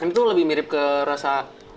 ini tuh lebih mirip ke rasa